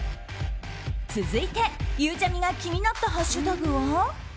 続いてゆうちゃみが気になったハッシュタグは？